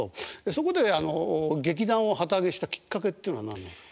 そこで劇団を旗揚げしたきっかけっていうのは何なんですか？